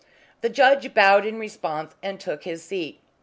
The judge bowed in response and took his seat.